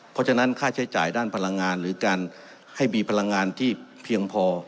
เพราะฉะนั้นค่าใช้จ่ายด้านพลังงานหรือการให้มีพลังงานที่เพียงพอ